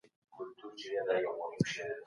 د لږکیو هنر او ادبیات د هیواد پانګه ده.